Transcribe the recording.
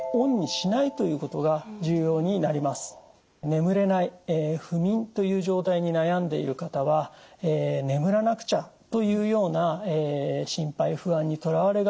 眠れない不眠という状態に悩んでいる方は眠らなくちゃというような心配不安にとらわれがちです。